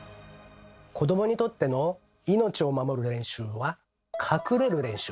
子どもにとっての「命を守る練習」は「隠れる練習」。